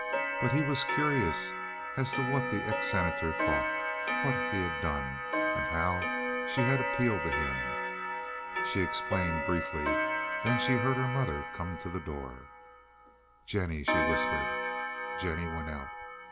But he was curious as to what the ex Senator thought, what he had done, and how she had appealed to him. She explained briefly, then she heard her mother come to the door. "Jennie," she whispered. Jennie went out.